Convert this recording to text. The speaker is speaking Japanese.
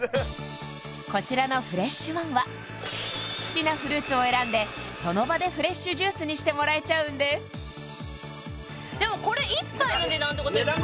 こちらのフレッシュワンは好きなフルーツを選んでしてもらえちゃうんですでもこれ１杯の値段ってことですね？